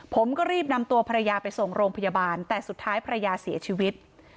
ผมก็รีบนำตัวภรรยาไปส่งโรงพยาบาลแต่สุดท้ายภรรยาเสียชีวิต